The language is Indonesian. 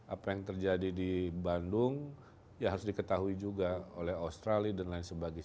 apa yang terjadi di bandung ya harus diketahui juga oleh australia dan lain sebagainya